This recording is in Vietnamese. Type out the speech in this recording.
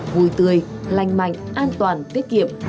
vui tươi lành mạnh an toàn tiết kiệm